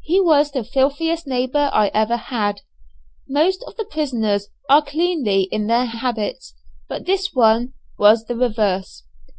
He was the filthiest neighbour I ever had. Most of the prisoners are cleanly in their habits, but this one was the reverse.